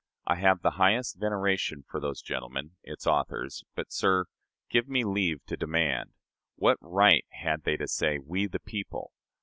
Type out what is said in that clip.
I have the highest veneration for those gentlemen [its authors]; but, sir, give me leave to demand, What right had they to say, We, the people?